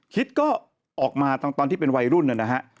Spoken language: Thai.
คิดก็ออกมาตอนที่เป็นวัยรุ่นนะฮะ